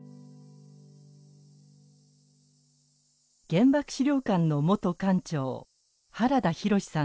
原爆資料館の元館長原田浩さんです。